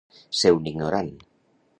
Ser un ignorant.